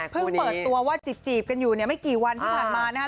เปิดตัวว่าจีบกันอยู่เนี่ยไม่กี่วันที่ผ่านมานะครับ